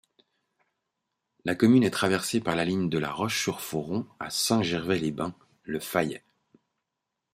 La commune est traversée par la ligne de La Roche-sur-Foron à Saint-Gervais-les-Bains-Le Fayet.